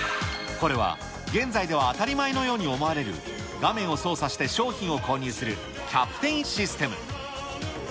これは、現在では当たり前のように思われる、画面を操作して商品を購入するキャプテンシステム。